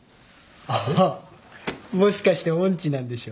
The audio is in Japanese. あっもしかして音痴なんでしょ？